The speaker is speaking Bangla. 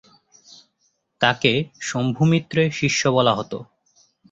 তাকে শম্ভু মিত্রের শিষ্য বলা হত।